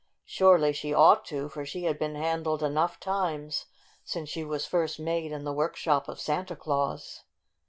Surely she ought to, for she had been handled enough times since she was first made in the work shop of Santa Claus.